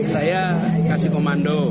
saya kasih komando